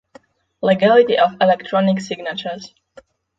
Legality of electronic signatures